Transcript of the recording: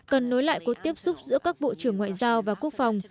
cần nối lại cuộc tiếp xúc giữa các bộ trưởng ngoại giao và quốc phòng